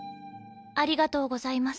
ありがとうございます。